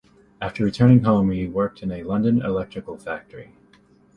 After returning home, he worked in a London electrical factory.